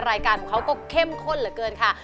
รายการของเขาก็เข้มข้นเหลือเกินค่ะ